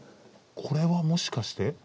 これはもしかして？